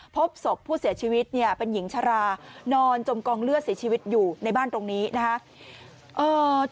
พบศพผู้เสียชีวิตเนี่ยเป็นหญิงชรานอนจมกองเลือดเสียชีวิตอยู่ในบ้านตรงนี้นะครับ